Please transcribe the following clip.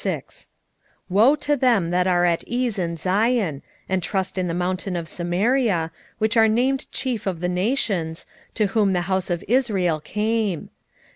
6:1 Woe to them that are at ease in Zion, and trust in the mountain of Samaria, which are named chief of the nations, to whom the house of Israel came!